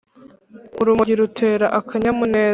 Urumogi rutera akanyamuneza